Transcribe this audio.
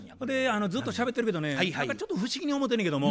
ずっとしゃべってるけどね何かちょっと不思議に思うてんのやけども。